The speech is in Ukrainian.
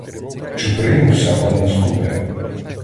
Чуприну всякому скубе.